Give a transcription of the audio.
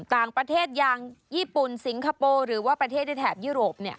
ต่างประเทศอย่างญี่ปุ่นสิงคโปร์หรือว่าประเทศในแถบยุโรป